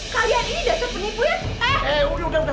kalian ini dasar penipu ya